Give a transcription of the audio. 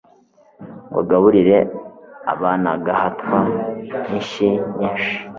ngo agaburire abanaagahatwa inshyi nyinshi